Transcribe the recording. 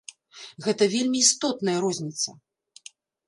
Гэта вельмі істотная розніца.